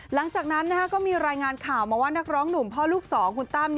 หลังจากนั้นก็มีรายงานข่าวมาว่านักร้องหนุ่มพ่อลูกสองคุณตั้ม